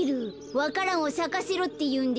わか蘭をさかせろっていうんでしょう。